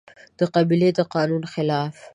د قبيلې د قانون خلاف